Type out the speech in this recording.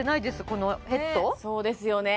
このヘッドそうですよね